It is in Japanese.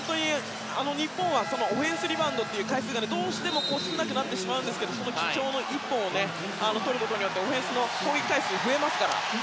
日本はオフェンスリバウンドの回数がどうしても少なくなってしまいますが貴重な１本をとることによってオフェンスの攻撃回数が増えますから。